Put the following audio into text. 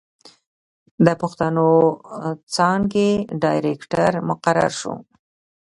َد پښتو څانګې ډائرکټر مقرر شو